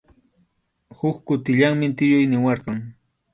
Huk kutillanmi tiyuy niwarqan.